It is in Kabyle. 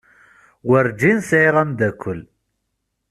Werǧin sɛiɣ ameddakel.